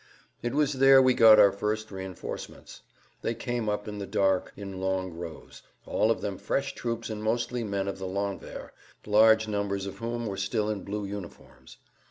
It was there we got our first reinforcements. They came up in the dark in long rows, all of them fresh troops and mostly men of the landwehr, large numbers of whom were still in blue uniforms.